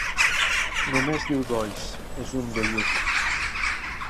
Només diu dois: és un doiut.